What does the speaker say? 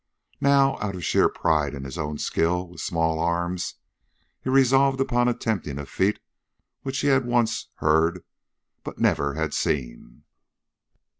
Now, out of sheer pride in his own skill with small arms, he resolved upon attempting a feat of which he once had heard but never had seen.